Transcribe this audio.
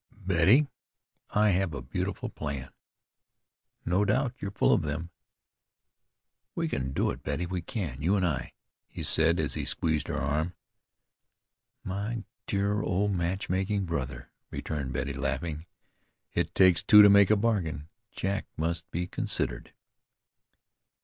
"Betty, I have a beautiful plan." "No doubt; you're full of them." "We can do it, Betty, we can, you and I," he said, as he squeezed her arm. "My dear old matchmaking brother," returned Betty, laughing, "it takes two to make a bargain. Jack must be considered."